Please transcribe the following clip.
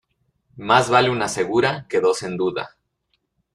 Más vale una segura que dos en duda.